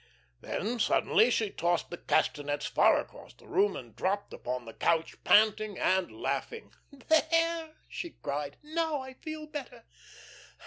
Then suddenly she tossed the castanets far across the room and dropped upon the couch, panting and laughing. "There," she cried, "now I feel better.